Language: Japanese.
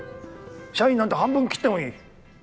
社員なんて半分切ってもいい。